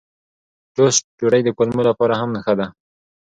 ټوسټ ډوډۍ د کولمو لپاره هم ښه ده.